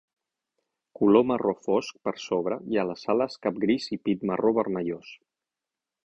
Color marró fosc per sobre i a les ales, cap gris i pit marró vermellós.